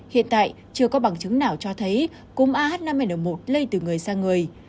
hiện tại chưa có bằng chứng nào cho thấy cúm ah năm n một lây từ người sang người